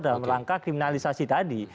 dalam langkah kriminalisasi tadi